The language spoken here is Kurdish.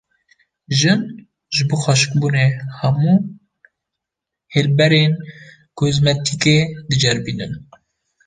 Jin, ji bo xweşikbûnê hemû hilberên kozmetîkê diceribînin